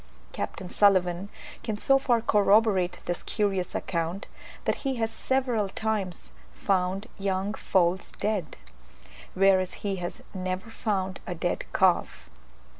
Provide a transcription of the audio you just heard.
Capt. Sulivan can so far corroborate this curious account, that he has several times found young foals dead, whereas he has never found a dead calf.